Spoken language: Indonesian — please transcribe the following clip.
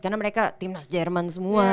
karena mereka timnas jerman semua